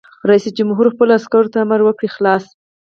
رئیس جمهور خپلو عسکرو ته امر وکړ؛ خلاص!